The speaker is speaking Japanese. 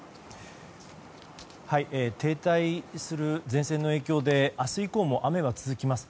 停滞する前線の影響で明日以降も雨は続きます。